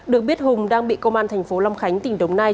được biết hùng đang bị công an thành phố long khánh tỉnh đồng nai